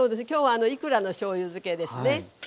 今日はいくらのしょうゆ漬けですね。